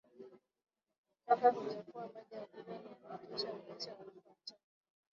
Taka huchafua maji ya kunywa na kutishia maisha ya watoto wachanga